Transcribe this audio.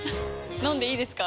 飲んでいいですか？